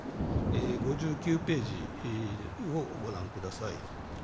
５９ページをご覧ください。